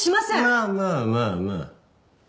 まあまあまあまあ。